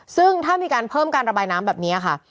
ซึ่งถ้ามีการเพิ่มการระบายน้ำแบบนี้ค่ะ